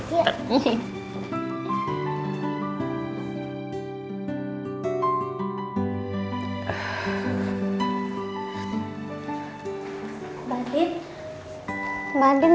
gak ada yang ngerengin